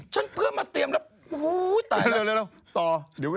ฉันเพื่อนมาเตรียมแล้ว